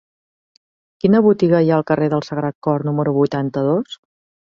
Quina botiga hi ha al carrer del Sagrat Cor número vuitanta-dos?